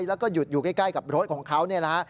แล้วก็หยุดอยู่ใกล้กับรถของเขาเนี่ยนะฮะ